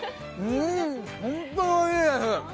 うん、本当においしいです。